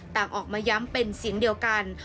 ต่างออกมาย้ำเป็นเสียงเดียวกัน